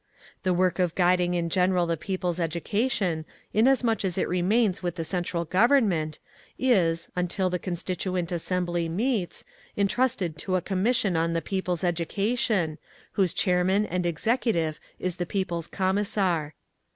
The work of guiding in general the people's education, inasmuch as it remains with the central government, is, until the Constituent Assembly meets, entrusted to a Commission on the People's Education, whose chairman and executive is the People's Commissar.